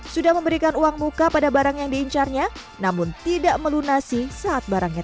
sudah memberikan uang muka pada barang yang diincarnya namun tidak melunasi saat barangnya